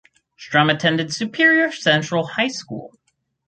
Strum attended Superior Central High School.